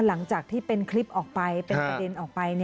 หลังจากที่เป็นคลิปออกไปเป็นประเด็นออกไป